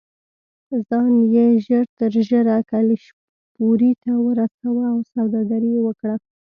ځان یې ژر تر ژره کلشپورې ته ورساوه او سوداګري یې وکړه.